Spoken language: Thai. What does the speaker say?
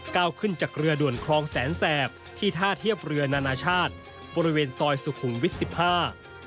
ก้าวขึ้นจากเรือด่วนคลองแสนแสบที่ท่าเทียบเรือนานาชาติบริเวณซอยสุขุมวิทย์สิบห้า